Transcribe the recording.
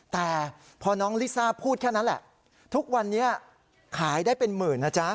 แต่พอน้องลิซ่าพูดแค่นั้นแหละทุกวันนี้ขายได้เป็นหมื่นนะจ๊ะ